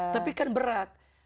tapi kan berat